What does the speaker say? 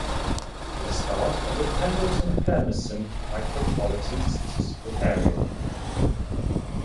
It is part of the Pendleton-Hermiston Micropolitan Statistical Area.